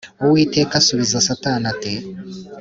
uwiteka asubiza satani ati